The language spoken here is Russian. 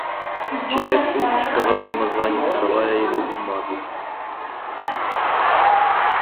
«Читай вслух», – сказал самозванец, отдавая ему бумагу.